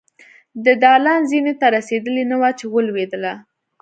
د دالان زينې ته رسېدلې نه وه چې ولوېدله.